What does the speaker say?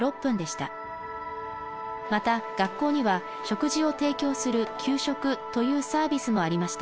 また学校には食事を提供する給食というサービスもありました。